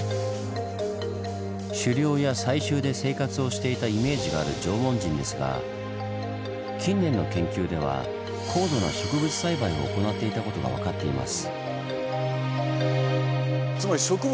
狩猟や採集で生活をしていたイメージがある縄文人ですが近年の研究では高度な植物栽培を行っていたことが分かっています。